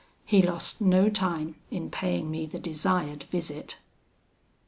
He lost no time in paying me the desired visit."